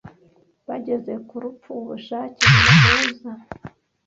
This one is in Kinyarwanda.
bageze ku rupfu ubushake bubahuza